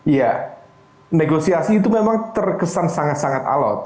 ya negosiasi itu memang terkesan sangat sangat alot